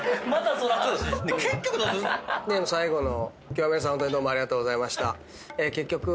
最後の今日は皆さんホントにどうもありがとうございました。